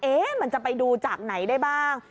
มันจะไปดูจากไหนได้บ้าง